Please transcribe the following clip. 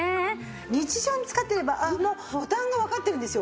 日常に使ってればもうボタンがわかってるんですよ。